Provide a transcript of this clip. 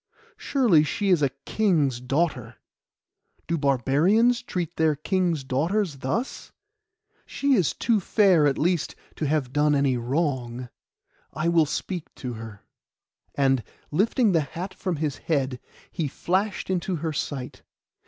Surely she is a king's daughter. Do barbarians treat their kings' daughters thus? She is too fair, at least, to have done any wrong I will speak to her.' And, lifting the hat from his head, he flashed into her sight.